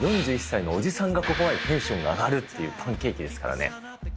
４１歳のおじさんが、ここまでテンション上がるっていうパンケーキですからね。